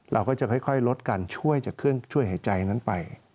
เราก็จะค่อยลดการช่วยจากเครื่องช่วยหายใจนั้นไป